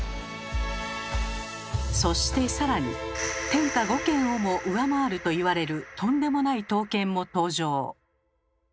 そして更に天下五剣をも上回ると言われるとんでもない刀剣も登場。